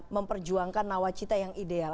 memperjuangkan nawacita yang ideal